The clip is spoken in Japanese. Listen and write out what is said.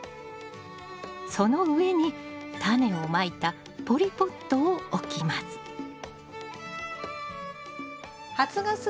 その上にタネをまいたポリポットを置きます。